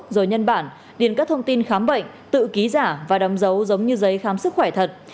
rồi nhân bản điền các thông tin khám bệnh tự ký giả và đóng dấu giống như giấy khám sức khỏe thật